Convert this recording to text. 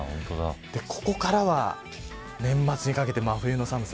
ここからは年末にかけて真冬の寒さ。